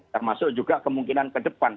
termasuk juga kemungkinan ke depan